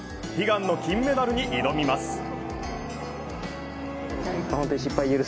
悲願の金メダルに挑みます。